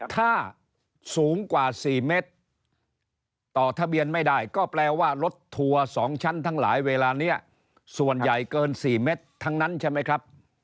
ถ้าสูงกว่า๔เมตรต่อทะเบียนไม่ได้ก็แปลว่ารถทัวร์๒ชั้นทั้งหลายเวลานี้ส่วนใหญ่เกิน๔เมตรทั้งนั้นใช่ไหมครับ